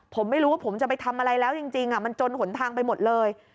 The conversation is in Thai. ผมไม่รู้ว่าผมจะไปทำอะไรแล้วจริงมันจนหนทางไปหมดเลย